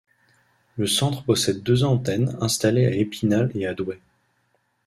Le centre possède deux antennes installées à Épinal et à Douai.